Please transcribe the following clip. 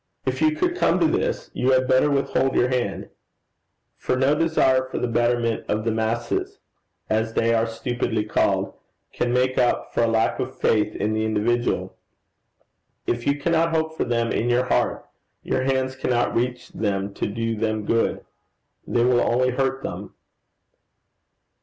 If you could come to this, you had better withhold your hand; for no desire for the betterment of the masses, as they are stupidly called, can make up for a lack of faith in the individual. If you cannot hope for them in your heart, your hands cannot reach them to do them good. They will only hurt them.'